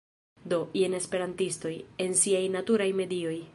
Do, jen esperantistoj... en siaj naturaj medioj